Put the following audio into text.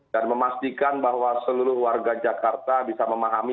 dan memastikan bahwa seluruh warga jakarta bisa memahami